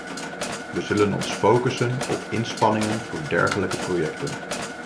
We zullen ons focussen op inspanningen voor dergelijke projecten.